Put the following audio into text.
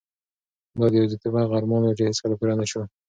دا د یوازیتوب هغه ارمان و چې هیڅکله پوره نشو.